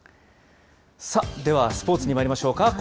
では、スポーツにまいりましょうか。